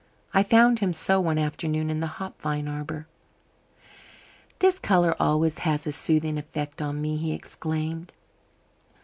I found him so one afternoon in the hop vine arbour. "This colour always has a soothing effect on me," he explained.